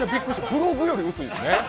ブログより薄いっすね！